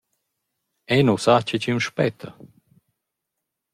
Eu nu sa che chi’m spetta.